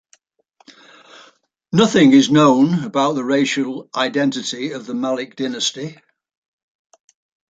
Nothing is known about the racial identity of the Malik dynasty.